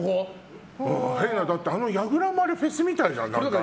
だって、あのやぐらもフェスみたいじゃん。